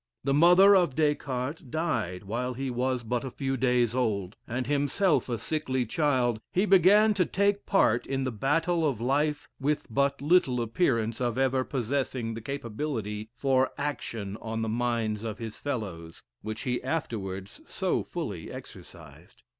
The mother of Des Cartes died while he was but a few days old, and himself a sickly child, he began to take part in the battle of life with but little appearance of ever possessing the capability for action on the minds of his fellows, which he afterwards so fully exercised.